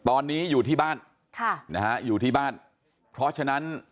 ตอนนี้อยู่ที่บ้านค่ะนะฮะอยู่ที่บ้านเพราะฉะนั้น